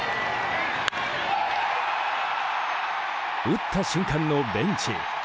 打った瞬間のベンチ。